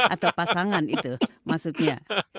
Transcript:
atau pasangan itu maksudnya